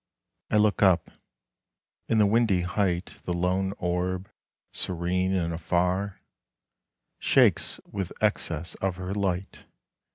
I look up. In the windy height The lone orb, serene and afar, Shakes with excess of her light....